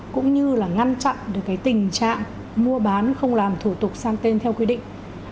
cũng như là ngăn chặn được cái tình trạng mua bán không làm thủ tục sang tên theo quy định